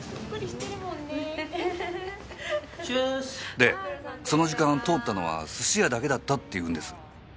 でその時間通ったのは寿司屋だけだったって言うんです。